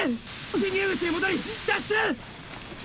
進入口へ戻り脱出ッ！